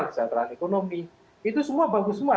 misalnya peran ekonomi itu semua bagus semua